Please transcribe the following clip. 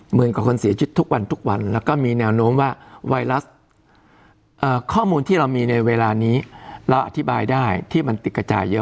เหมือนกับคนเสียชีวิตทุกวันทุกวันแล้วก็มีแนวโน้มว่าไวรัสข้อมูลที่เรามีในเวลานี้เราอธิบายได้ที่มันติดกระจายเยอะ